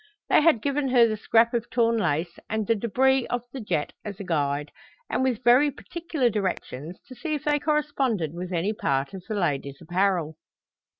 They had given her the scrap of torn lace and the débris of the jet as a guide, with very particular directions to see if they corresponded with any part of the lady's apparel.